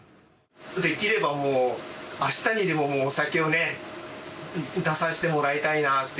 できればもうあしたにでも、もうお酒を出させてもらいたいなって。